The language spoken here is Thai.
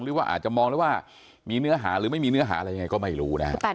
หรือว่าอาจจะมองแล้วว่ามีเนื้อหาหรือไม่มีเนื้อหาอะไรยังไงก็ไม่รู้นะฮะ